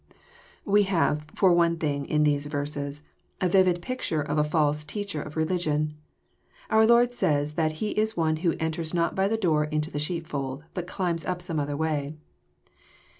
We have, for one thing, in these verses, a vivid picture of a false teacher of religion. Our Lord says that he is one who ^' enters not by the door into the sheepfold, but climbs up some other way."